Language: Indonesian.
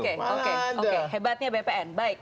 oke oke hebatnya bpn